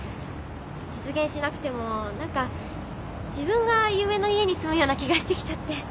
実現しなくても何か自分が夢の家に住むような気がしてきちゃって。